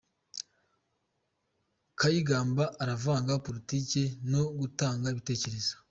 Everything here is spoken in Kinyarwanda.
Kayigamba aravanga politiki no gutanga ibitekerezo.